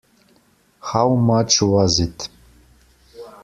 How much was it.